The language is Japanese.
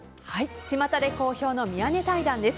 ちまたで好評の宮根対談です。